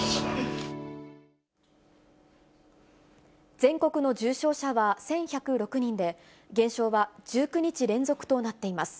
全国の重症者は１１０６人で、減少は１９日連続となっています。